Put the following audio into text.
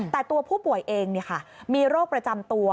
แต่ตัวผู้ป่วยเองมีโรคประจำตัว